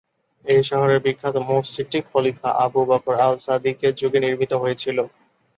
এই শহরের বিখ্যাত মসজিদটি খলিফা আবু বকর আল-সাদিকের যুগে নির্মিত হয়েছিল।